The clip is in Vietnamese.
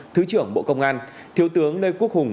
thứ trưởng bộ công an thiếu tướng lê quốc hùng